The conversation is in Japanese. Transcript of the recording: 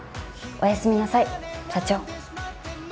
おやすみなさい。